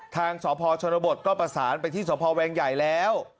ทางสพชนบทก็ประสานไปที่สพแวงใหญ่แล้ว